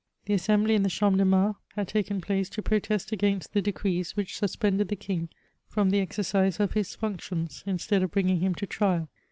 The Assembly in the Champ de Mars had taken place to protest against the decrees which suspended the king from the exeidse of his functions instead of bringing him to trial.